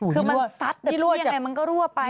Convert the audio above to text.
คือมันซัดแต่เพียงไหนมันก็รั่วไป